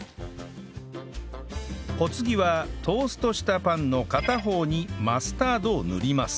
お次はトーストしたパンの片方にマスタードを塗ります